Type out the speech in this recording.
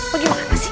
bagi maka sih